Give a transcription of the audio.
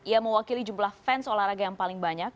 ia mewakili jumlah fans olahraga yang paling banyak